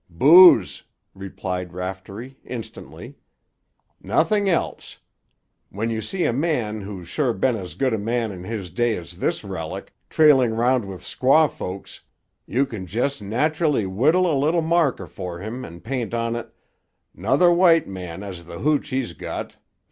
"Booze," replied Raftery instantly. "Nothing else. When you see a man who's sure been as good a man in his day as this relic, trailing 'round with squaw folks, you can jest nacherlly whittle a little marker for him and paint on it, ''Nother white man as the hooch hez got.